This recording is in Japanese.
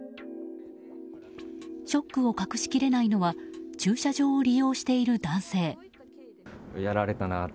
ショックを隠し切れないのは駐車場を利用している男性。